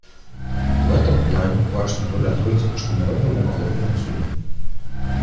В этом плане важная роль отводится Международному уголовному суду.